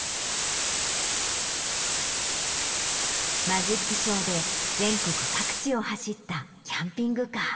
マジックショーで全国各地を走ったキャンピングカー。